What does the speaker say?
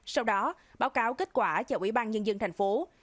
sau đó báo cáo kết quả cho ủy ban nhân dân tp hcm